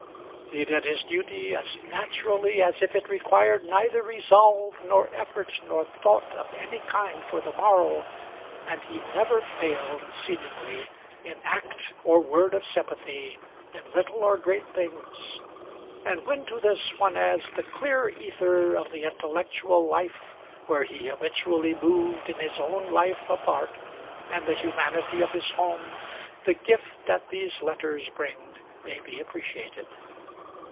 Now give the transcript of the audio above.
He did his duty as naturally as if it required neither resolve, nor effort, nor thought of any kind for the morrow, and he never failed, seemingly, in act or word of sympathy, in little or great things; and when, to this, one adds the clear ether of the intellectual life where he habitually moved in his own life apart, and the humanity of his home, the gift that these letters bring may be appreciated.